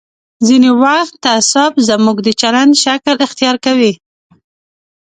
ځینې وخت تعصب زموږ د چلند شکل اختیار کوي.